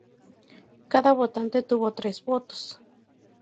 Cada votante tuvo tres votos.